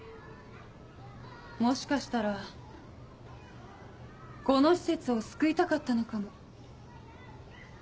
もしかしたらこの施設を救いたかったのかも。